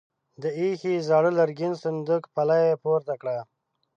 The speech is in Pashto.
د ايښې زاړه لرګين صندوق پله يې پورته کړه.